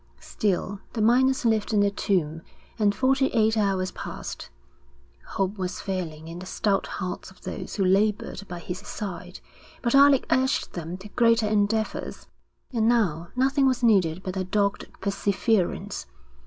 Still the miners lived in the tomb, and forty eight hours passed. Hope was failing in the stout hearts of those who laboured by his side, but Alec urged them to greater endeavours. And now nothing was needed but a dogged perseverance.